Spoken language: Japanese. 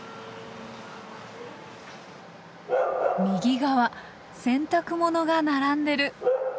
右側洗濯ものが並んでる。